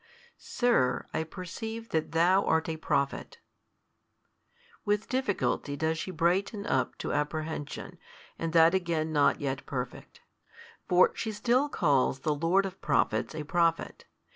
Sir, I perceive that THOU art a Prophet. With difficulty does she brighten up to apprehension, and that again not yet perfect. For she still calls the Lord of Prophets a Prophet.